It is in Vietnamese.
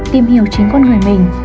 tìm hiểu chính con người mình